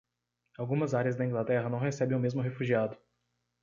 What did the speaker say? Algumas áreas da Inglaterra não recebem o mesmo refugiado.